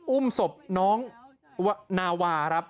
อุ้มศพน้องนาวาครับ